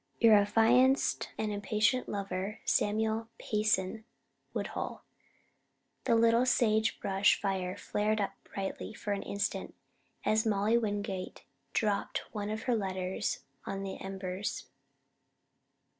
Your Affianced and Impatient Lover, SAM'L. PAYSON WOODHULL. The little sagebrush fire flared up brightly for an instant as Molly Wingate dropped one of her letters on the embers.